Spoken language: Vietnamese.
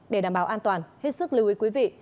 để đảm bảo an toàn hết sức lưu ý quý vị